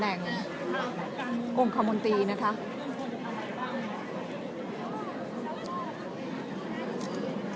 และที่อยู่ด้านหลังคุณยิ่งรักนะคะก็คือนางสาวคัตยาสวัสดีผลนะคะ